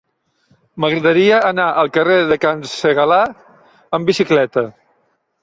M'agradaria anar al carrer de Can Segalar amb bicicleta.